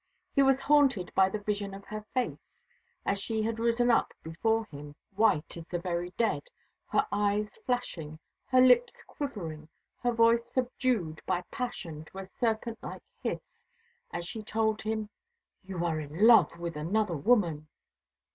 He was haunted by the vision of her face, as she had risen up before him, white as the very dead, her eyes flashing, her lips quivering, her voice subdued by passion to a serpent like hiss, as she told him "You are in love with another woman!"